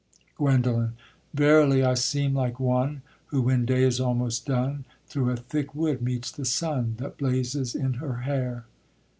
_ GUENDOLEN. Verily, I seem like one Who, when day is almost done, Through a thick wood meets the sun That blazes in her hair.